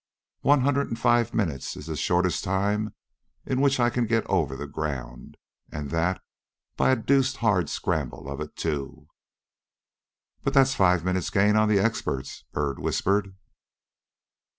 "One hundred and five minutes is the shortest time in which I can get over the ground, and that by a deuced hard scramble of it too." "But that's five minutes' gain on the experts," Byrd whispered.